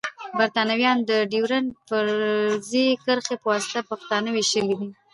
بريتانويانو د ډيورنډ فرضي کرښي پواسطه پښتانه ويشلی دی.